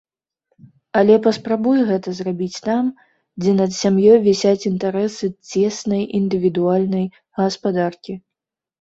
Але паспрабуй гэта зрабіць там, дзе над сям'ёй вісяць інтарэсы цеснай індывідуальнай гаспадаркі.